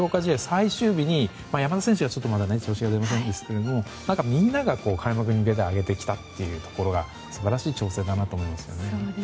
最終日に山田選手はまだ調子が出ませんでしたがみんなが開幕に向けて腕を上げた来たというのが素晴らしい調整だなと思いますね。